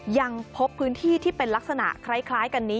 ยังพบพื้นที่ที่เป็นลักษณะคล้ายกันนี้